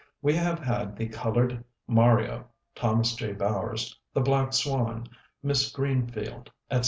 We have had the 'Colored Mario' [Thomas J. Bowers], the 'Black Swan' [Miss Greenfield], &c.